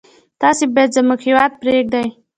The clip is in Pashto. تاسي باید زموږ هیواد پرېږدی.